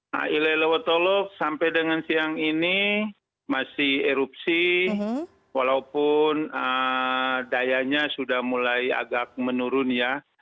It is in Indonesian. nah ilelewotolo sampai dengan siang ini masih erupsi walaupun dayanya sudah mulai agak menurun ya